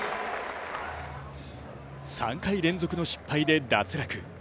３回連続の失敗で脱落。